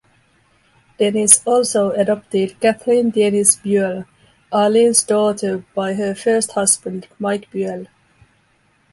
Dennis also adopted Katherine Denise Buelle, Arleen's daughter by her first husband Mike Buelle.